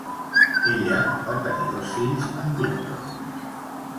Ella va tenir dos fills amb Víctor.